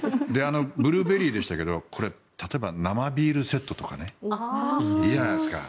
ブルーベリーでしたけどこれ、例えば生ビールセットとかいいじゃないですか。